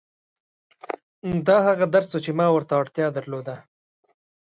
دا هغه درس و چې ما ورته اړتيا درلوده.